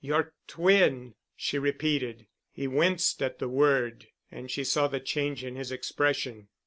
"Your twin," she repeated. He winced at the word and she saw the change in his expression.